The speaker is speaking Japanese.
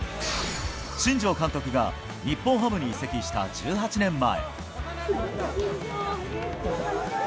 新庄監督が日本ハムに移籍した１８年前。